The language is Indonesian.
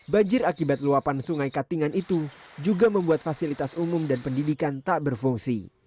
banjir akibat luapan sungai katingan itu juga membuat fasilitas umum dan pendidikan tak berfungsi